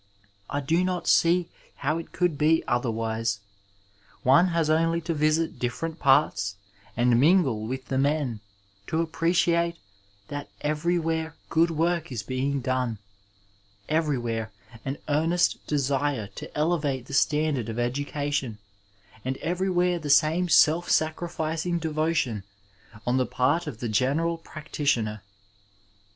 I do not see how it could be otherwise. One has only to visit different parte and mingle with the men to appreciate that every where good work is being done, everywheie an earnest desire to elevate the standard of educati(«, and everywhere the same self saorifioiag devotion on the part of tiie general practitioner.